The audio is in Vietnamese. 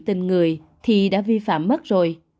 tình người thì đã vi phạm mất rồi